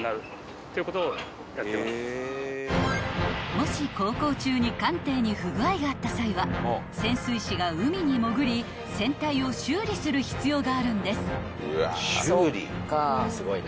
［もし航行中に艦艇に不具合があった際は潜水士が海に潜り船体を修理する必要があるんです］